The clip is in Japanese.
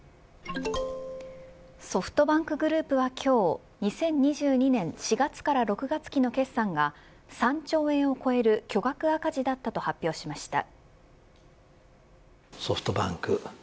ソフトバンクグループは今日２０２２年４月から６月期の決算が３兆円を超える巨額赤字だったと発表しました。